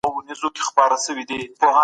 زه کثافات په ځای کښي اچوم.